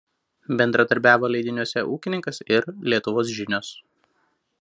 Bendradarbiavo leidiniuose „Ūkininkas“ ir „Lietuvos žinios“.